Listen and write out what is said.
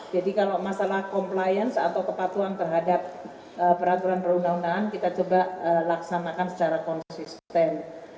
jadi kalau masalah compliance atau kepatuan terhadap peraturan perundangan kita coba laksanakan secara konsisten